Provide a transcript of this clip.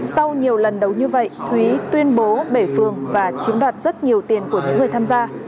sau nhiều lần đấu như vậy thúy tuyên bố bể phương và chiếm đoạt rất nhiều tiền của những người tham gia